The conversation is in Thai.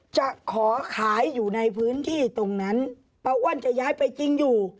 จะขอขายอยู่ในพื้นที่ตรงนั้นป้าอ้วนจะย้ายไปจริงอยู่